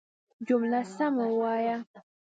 جمله سمه وايه!